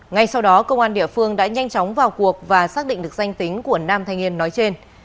ngay sau đó công an địa phương đã nhanh chóng vào cuộc và xác định được danh tính của nam thanh niên nói trên